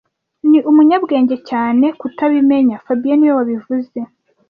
Ni umunyabwenge cyane kutabimenya fabien niwe wabivuze